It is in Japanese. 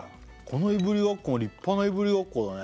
このいぶりがっこも立派ないぶりがっこだね